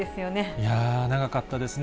いやー、長かったですね。